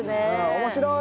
面白い！